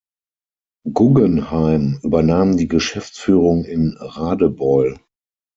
Guggenheim übernahm die Geschäftsführung in Radebeul.